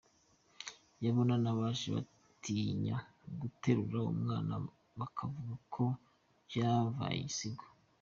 Yabona n'abaje, batinya guterura umwana, bakavuga ngo yavyaye igisigo.